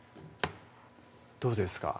どうですか？